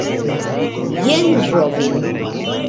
Jen Robin